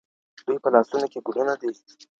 دوی په لاسونو کې ګلونه دي.